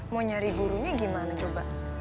mau nyari gurunya gimana coba